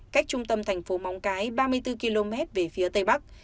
cách trung tâm thành phố móng cái ba mươi bốn km về phía tây bắc